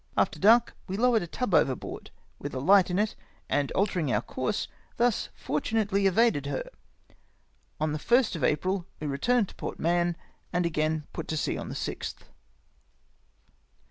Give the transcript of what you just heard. After dark, we lowered a tub overboard with a light in it, and altering our com'se thus fortu nately evaded her. On the 1st of April we returned to Port Mahon, and again put to sea on the 6 th.